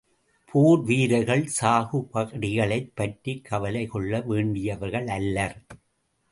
போர் வீரர்கள் சாகுபடிகளைப் பற்றிக் கவலை கொள்ள வேண்டியவர்களல்லர்.